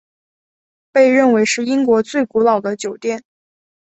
被认为是英国最古老的酒店。